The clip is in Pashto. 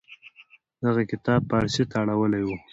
دغه کتاب پارسي ته اړولې و.